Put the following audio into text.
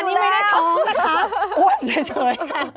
อันนี้ไม่ได้ท้องนะคะอ้วนเฉยค่ะ